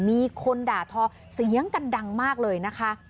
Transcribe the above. มีคนด่าทอเสียงกันดังมากเลยนะคะ